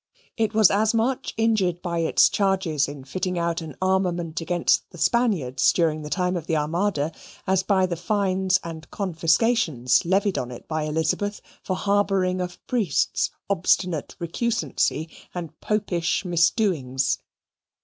It was as much injured by its charges in fitting out an armament against the Spaniards, during the time of the Armada, as by the fines and confiscations levied on it by Elizabeth for harbouring of priests, obstinate recusancy, and popish misdoings.